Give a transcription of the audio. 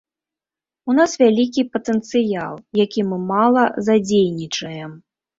У нас вялікі патэнцыял, які мы мала задзейнічаем.